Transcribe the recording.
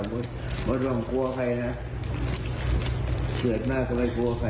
หลวงปู่ท่านจะบอกว่ายังไงเนี่ยเดี๋ยวท่านลองฟังดูนะฮะ